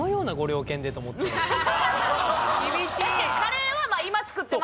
確かにカレーは今作ってますっていう。